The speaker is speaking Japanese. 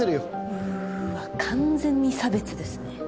うーわ完全に差別ですね。